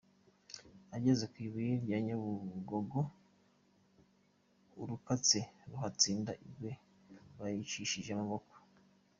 Ageze ku Ibuye rya Nyabugogo Urukatsa ruhatsinda ingwe bayicishije amaboko.